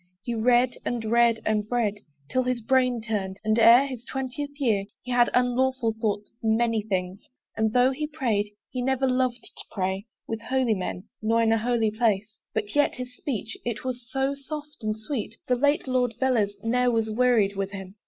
he read, and read, and read, 'Till his brain turned and ere his twentieth year, He had unlawful thoughts of many things: And though he prayed, he never loved to pray With holy men, nor in a holy place But yet his speech, it was so soft and sweet, The late Lord Velez ne'er was wearied with him.